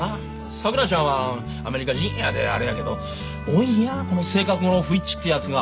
さくらちゃんはアメリカ人やであれやけど多いんやこの性格の不一致ってやつが。